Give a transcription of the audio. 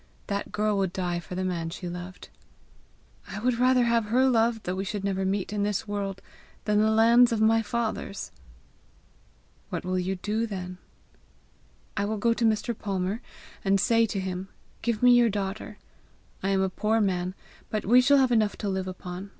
That girl would die for the man she loved!" "I would rather have her love, though we should never meet in this world, than the lands of my fathers!" "What will you do then?" "I will go to Mr. Palmer, and say to him: 'Give me your daughter. I am a poor man, but we shall have enough to live upon.